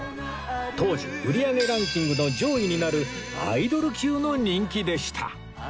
当時売り上げランキングの上位になるアイドル級の人気でした